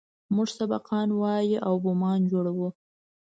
موږ سبقان وايو او بمان جوړوو.